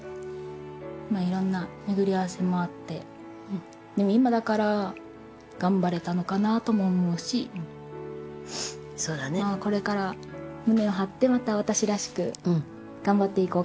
いろんな巡り合わせもあって今だから頑張れたのかなとも思うしこれから胸を張ってまた私らしく頑張っていこうかなっていうふうに思っています。